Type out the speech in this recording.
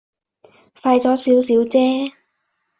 快咗少少啫